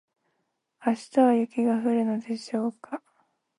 明日は雪が降るのでしょうか